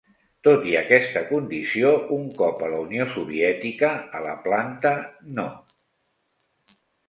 Tot i aquesta condició, un cop a la Unió Soviètica, a la Planta No.